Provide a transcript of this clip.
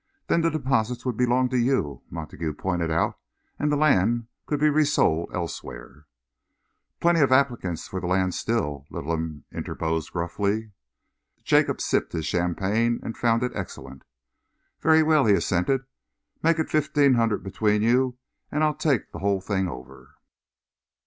"Then the deposit would belong to you," Montague pointed out, "and the land could be resold elsewhere." "Plenty of applicants for the land still," Littleham interposed gruffly. Jacob sipped his champagne and found it excellent. "Very well," he assented, "make it fifteen hundred between you and I'll take the whole thing over."...